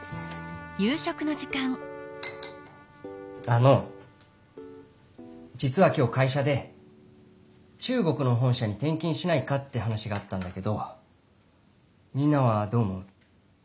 あのじつは今日会社で中国の本社にてんきんしないかって話があったんだけどみんなはどう思う？